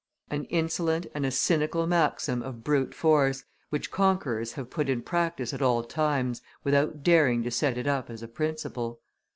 An insolent and a cynical maxim of brute force, which conquerors have put in practice at all times, without daring to set it up as a principle.